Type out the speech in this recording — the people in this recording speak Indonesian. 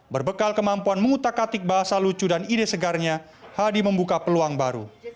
berbekal kemampuan mengutak atik bahasa lucu dan ide segarnya hadi membuka peluang baru